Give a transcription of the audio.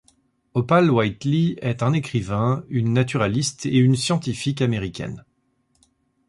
Opal Whiteley est un écrivain, une naturaliste et une scientifique américaine.